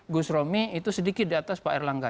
gus romi itu sedikit di atas pak erlangga